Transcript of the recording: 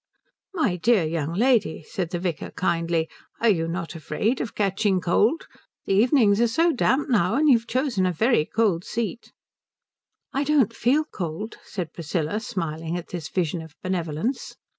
"My dear young lady," said the vicar kindly, "are you not afraid of catching cold? The evenings are so damp now, and you have chosen a very cold seat." "I don't feel cold," said Priscilla, smiling at this vision of benevolence.